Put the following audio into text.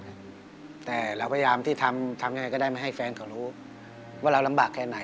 แต่เราพยายามที่ทำทำยังไงก็ได้ไม่ให้แฟนเขารู้ว่าเราลำบากแค่ไหน